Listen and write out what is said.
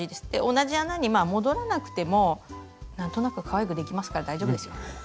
同じ穴に戻らなくても何となくかわいくできますから大丈夫ですよ。